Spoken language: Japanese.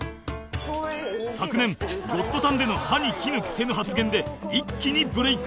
昨年『ゴッドタン』での歯に衣着せぬ発言で一気にブレイク